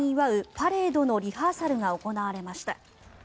パレードのリハーサルが行われました。